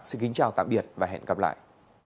xin kính chào tạm biệt và hẹn gặp lại